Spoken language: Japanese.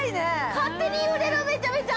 ◆勝手に揺れる、めちゃめちゃ。